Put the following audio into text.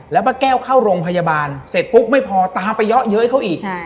แล้วป้าแก้วเข้าโรงพยาบาลเสร็จปุ๊บไม่พอตามไปเยอะเย้ยเขาอีก